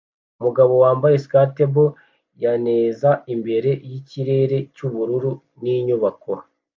Umugabo wambaye skatebo yanezaimbere yikirere cyubururu ninyubako